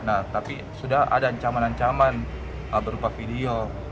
nah tapi sudah ada ancaman ancaman berupa video